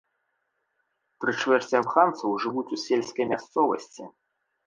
Тры чвэрці афганцаў жывуць у сельскай мясцовасці.